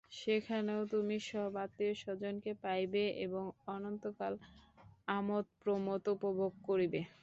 সেখানেও তুমি সব আত্মীয়-স্বজনকে পাইবে এবং অনন্তকাল আমোদ-প্রমোদ উপভোগ করিবে।